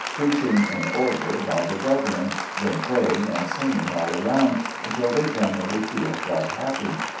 Preaching in order, by the brethren ; then praying and singing all round, until they generally feel quite happy.